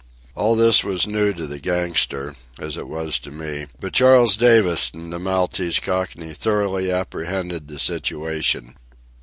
All this was new to the gangster—as it was to me—but Charles Davis and the Maltese Cockney thoroughly apprehended the situation.